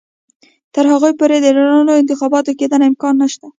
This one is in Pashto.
تر هغو پورې د رڼو انتخاباتو کېدو امکان نشته.